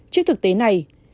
trước thực tế này